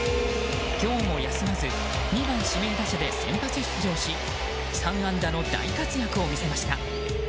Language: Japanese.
今日も休まず２番指名打者で先発出場し３安打の大活躍を見せました。